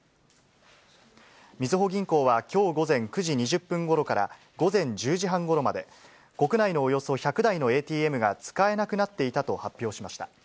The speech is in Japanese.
みずほ銀行は、きょう午前９時２０分ごろから、午前１０時半ごろまで、国内のおよそ１００台のＡＴＭが使えなくなっていたと発表しました。